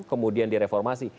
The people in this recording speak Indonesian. kemudian di reformasi